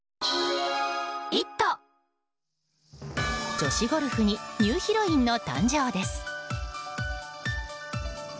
女子ゴルフにニューヒロインの誕生です。